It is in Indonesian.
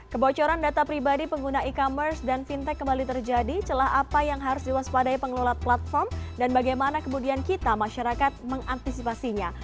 kebocoran data pribadi pengguna e commerce dan fintech kembali terjadi celah apa yang harus diwaspadai pengelola platform dan bagaimana kemudian kita masyarakat mengantisipasinya